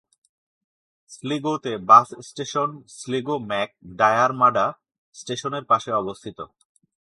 স্লিগোতে bus station Sligo Mac Diarmada স্টেশনের পাশে অবস্থিত।